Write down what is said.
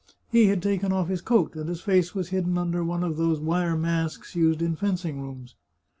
He had taken oflf his coat, and his face was hidden under one of those wire masks used in fencing rooms.